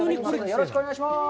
よろしくお願いします。